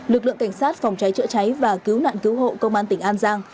lực lượng cảnh sát phòng cháy chữa cháy và cứu nạn cứu hộ công an tỉnh an giang